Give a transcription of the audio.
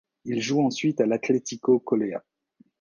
Il joue ensuite à l'Atletico Coleah.